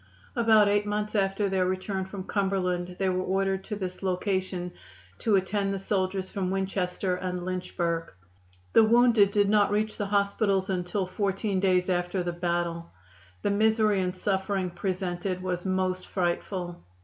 About eight months after their return from Cumberland they were ordered to this location to attend the soldiers from Winchester and Lynchburg. The wounded did not reach the hospitals until fourteen days after the battle. The misery and suffering presented was most frightful.